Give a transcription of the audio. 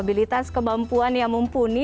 kredibilitas kemampuan yang mumpuni